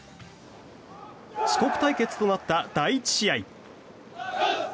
四国対決となった第１試合。